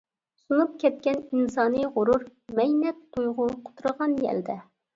سۇنۇپ كەتكەن ئىنسانىي غۇرۇر، مەينەت تۇيغۇ قۇترىغان يەلدە.